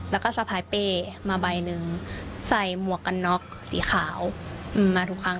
แล้วก็สะพายเป้มาใบหนึ่งใส่หมวกกันน็อกสีขาวมาทุกครั้ง